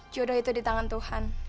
jodoh itu di tangan tuhan